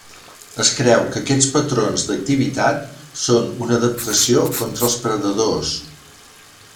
Es creu que aquests patrons d'activitat són una adaptació contra els predadors.